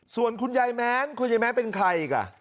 ส่วนคุณยายแม้นคุณยายแม้เป็นใครอีกอ่ะ